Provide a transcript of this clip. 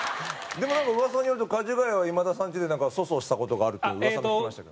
でもなんか噂によるとかじがやは今田さんちで粗相した事があるって噂で聞きましたけどね。